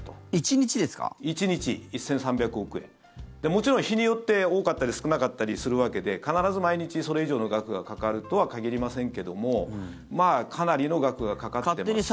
もちろん、日によって多かったり少なかったりするわけで必ず毎日それ以上の額がかかるとは限りませんけどもまあ、かなりの額がかかってますし。